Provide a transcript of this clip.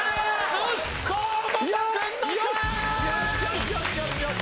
よしよしよしよし！